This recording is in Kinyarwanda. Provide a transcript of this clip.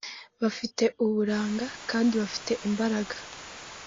bafite uburanga kandi bafite imbaraga